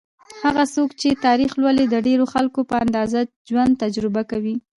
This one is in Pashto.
هغه څوک چې تاریخ لولي، د ډېرو خلکو په اندازه ژوند تجربه کوي.